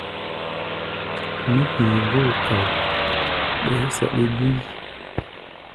Mí pi̧i̧ góo ka̧u̧u̧, ɓɛɛ́ saɗi gúí.